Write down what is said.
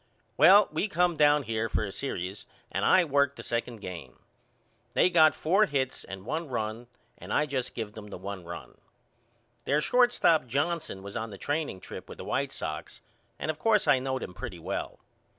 Well we come down here for a serious and I worked the second game. They got four hits and one run, and I just give them the one run. Their shortstop Johnson was on the training trip with the White Sox and of course I knowed him pretty well.